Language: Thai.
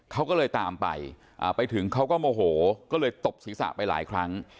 เขาก็เลยตามไปไปถึงเขาก็โมโหก็เลยตบศีรษะไปหลายครั้ง